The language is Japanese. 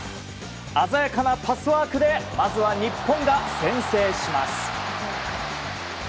鮮やかなパスワークでまずは日本が先制します。